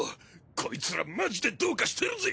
コイツらマジでどうかしてるぜ。